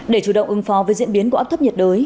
để chủ động ứng phó với diễn biến của áp thấp nhiệt đới